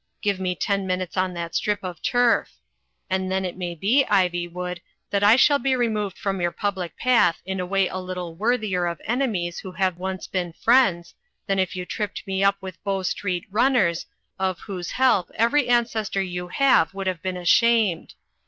Give me ten minutes on that strip of turf. And then it may be, Ivywood, that I shall be removed from your public path in a way a little wor thier of enemies who have once been friends, than if you tripped me up with Bow Street runners, of whose help every ancestor you have would have been ashamed.